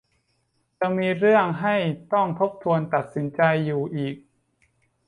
จะมีเรื่องให้ต้องทบทวนตัดสินใจอยู่อีก